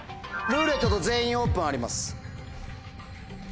「ルーレット」と「全員オープン」あります。